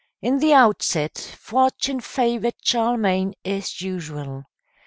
In the outset fortune favored Charlemagne as usual.